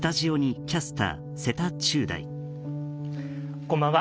こんばんは。